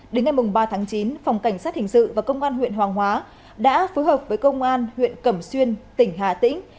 đến ngày ba tháng chín phòng cảnh sát hình sự và công an huyện hoàng hóa đã phối hợp với công an huyện cẩm xuyên tỉnh hà tĩnh